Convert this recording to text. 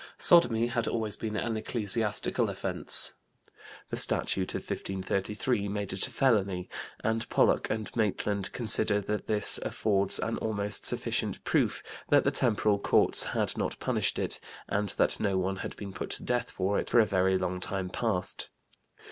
Sodomy had always been an ecclesiastical offense. The Statute of 1533 (25 Henry VIII, c. 6) made it a felony; and Pollock and Maitland consider that this "affords an almost sufficient proof that the temporal courts had not punished it, and that no one had been put to death for it, for a very long time past."